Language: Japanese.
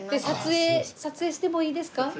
撮影撮影してもいいですか？